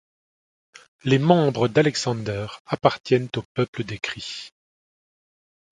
Les membres d'Alexander appartiennent au peuple des Cris.